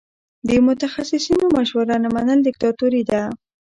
د متخصصینو مشوره نه منل دیکتاتوري ده.